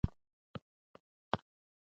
دوی د جنګ لپاره ځواک راټولوي.